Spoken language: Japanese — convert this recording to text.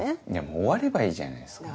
もう終わればいいじゃないっすか。